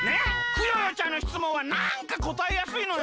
クヨヨちゃんのしつもんはなんかこたえやすいのよ。